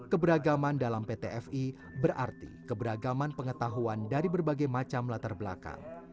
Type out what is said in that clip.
keberagaman dalam pt fi berarti keberagaman pengetahuan dari berbagai macam latar belakang